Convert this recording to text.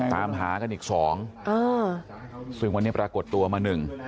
ตามหาก็อีก๒วันนี้ปรากฎตัวมา๑